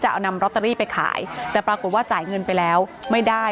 อ๋อเจ้าสีสุข่าวของสิ้นพอได้ด้วย